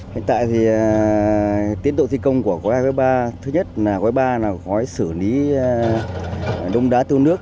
hiện tại thì tiến độ thi công của quái ba thứ nhất là quái ba có sửa lý đông đá tư nước